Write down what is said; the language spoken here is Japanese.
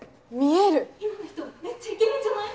今の人めっちゃイケメンじゃない？